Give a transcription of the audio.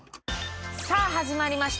さあ始まりました